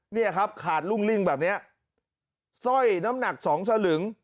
เนี่ยครับขาดรุ่งลิ่งแบบเนี้ยสร้อยน้ำหนักสองสลึง